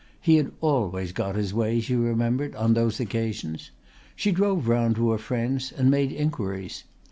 He had always got his way, she remembered, on those occasions. She drove round to her friends and made inquiries.